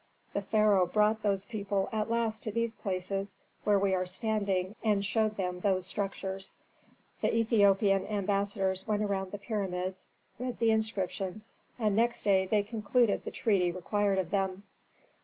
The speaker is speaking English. The pharaoh brought those people at last to these places where we are standing and showed them those structures. "The Ethiopian ambassadors went around the pyramids, read the inscriptions, and next day they concluded the treaty required of them.